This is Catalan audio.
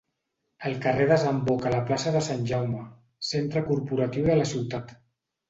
El carrer desemboca a la plaça de Sant Jaume, centre corporatiu de la ciutat.